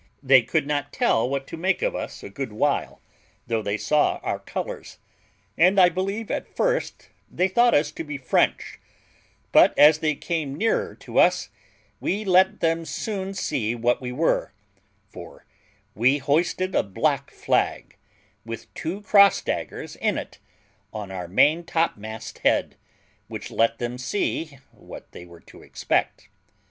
They could not tell what to make of us a good while, though they saw our colours; and I believe at first they thought us to be French; but as they came nearer to us, we let them soon see what we were, for we hoisted a black flag, with two cross daggers in it, on our main top mast head, which let them see what they were to expect.